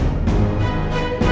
aku mau pergi ke rumah kamu